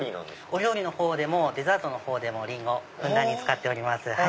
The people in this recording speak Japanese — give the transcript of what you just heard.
お料理でもデザートでもリンゴふんだんに使っております。